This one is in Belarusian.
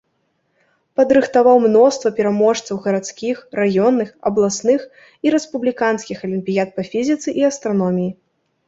Падрыхтаваў мноства пераможцаў гарадскіх, раённых, абласных і рэспубліканскіх алімпіяд па фізіцы і астраноміі.